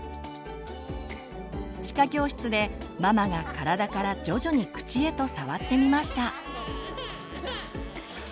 歯科教室でママが体から徐々に口へと触ってみました。